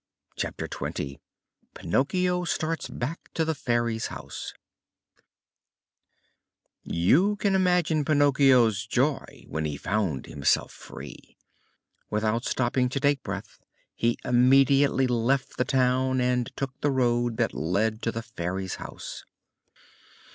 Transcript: CHAPTER XX PINOCCHIO STARTS BACK TO THE FAIRY'S HOUSE You can imagine Pinocchio's joy when he found himself free. Without stopping to take breath he immediately left the town and took the road that led to the Fairy's house.